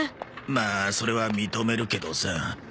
まあそれは認めるけどさ。